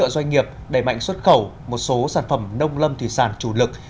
doanh nghiệp đẩy mạnh xuất khẩu một số sản phẩm nông lâm thủy sản chủ lực